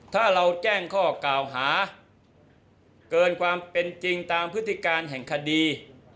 ถ้าเราแจ้งข้อกล่าวหาเกินความเป็นจริงตามพฤติการแห่งคดี